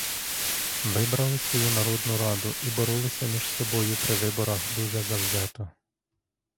Вибрали свою народну раду і боролися між собою при виборах дуже завзято.